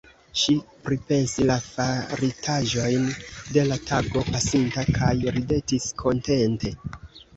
Ŝi pripensis la faritaĵojn de la tago pasinta kaj ridetis kontente.